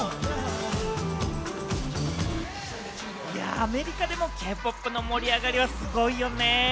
アメリカでもＫ−ＰＯＰの盛り上がりはすごいよね。